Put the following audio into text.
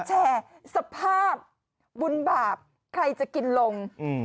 แชร์สภาพบุญบาปใครจะกินลงอืม